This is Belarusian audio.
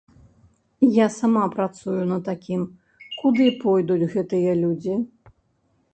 Я сама працую на такім, куды пойдуць гэтыя людзі?